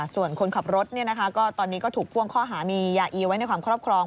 ส่วนคนขับรถตอนนี้ก็ถูกพ่วงข้อหามียาอีไว้ในความครอบครอง